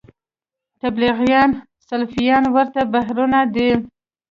تبلیغیان سلفیان ورته بهیرونه دي